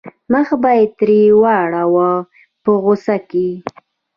مخ به یې ترې واړاوه په غوسه کې.